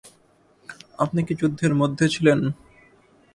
আপনি কি যুদ্ধের মধ্যে ছিলেন?